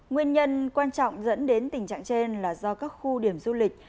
nguyên nhân quan trọng dẫn đến tình trạng trên là do các khu điểm du lịch